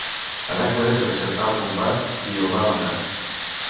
Hèracles acceptà el combat i el va matar.